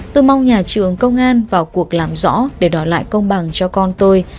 tôi mong nhà trường công an vào cuộc làm rõ để đòi lại công bằng cho con tôi